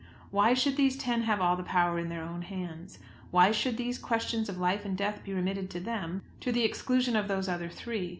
Why should these ten have all the power in their own hands? Why should these questions of life and death be remitted to them, to the exclusion of those other three?